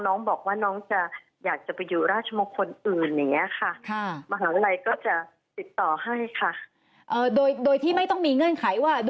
น้องบอกว่าน้องจะอยากจะไปอยู่ราชมงคลอื่นอย่างนี้ค่ะ